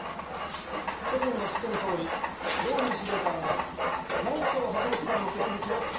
諸君も知ってのとおりＲＯＬＬＹ司令官はモンストロ博物館の設立を計画しておられる。